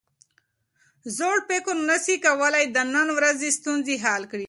زوړ فکر نسي کولای د نن ورځې ستونزې حل کړي.